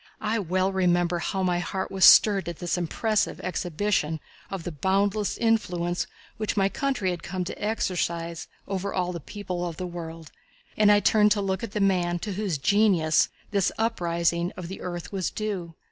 I well remember how my heart was stirred at this impressive exhibition of the boundless influence which my country had come to exercise over all the people of the world, and I turned to look at the man to whose genius this uprising of the earth was due.